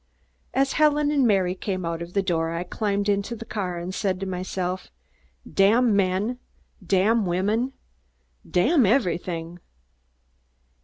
As Helen and Mary came out of the door, I climbed into the car and said to myself, "Damn men, damn women, damn everything!"